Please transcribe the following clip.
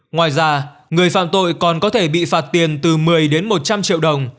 ngoài ra người phạm tội còn có thể bị phạt tiền từ một mươi đến một trăm linh triệu đồng